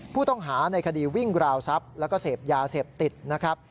ผู้ต้องหาในคดีวิ่งราวทรัพย์แล้วก็เสพยาเสพติดนะครับ